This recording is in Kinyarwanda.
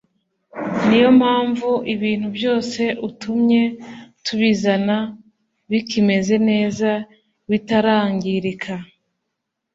niyo mpamvu ibintu byose utumye tubizana bikimeze neza bitarangirika